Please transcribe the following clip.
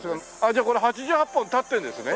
じゃあこれ８８本立ってるんですね？